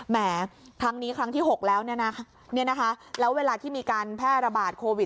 แหมครั้งนี้ครั้งที่๖แล้วแล้วเวลาที่มีการแพร่ระบาดโควิด